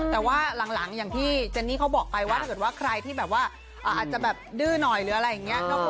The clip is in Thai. แต่ว่าหลังอย่างที่เจนนี่เขาบอกไปว่าถ้าเกิดว่าใครที่แบบว่าอาจจะแบบดื้อหน่อยหรืออะไรอย่างนี้